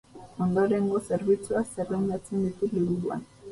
Ondorengo zerbitzuak zerrendatzen ditu liburuan.